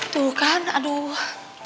tuh kan aduh